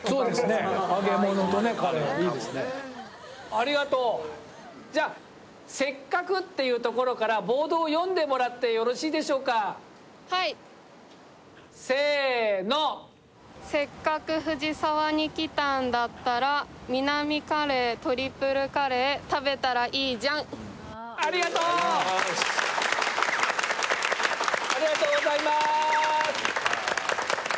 ありがとうじゃあ「せっかく」っていうところからボードを読んでもらってよろしいでしょうか「せっかく藤沢に来たんだったら」「ミナミカレートリプルカレー食べたらいいじゃん！」ああお願いします